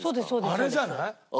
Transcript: あれじゃない？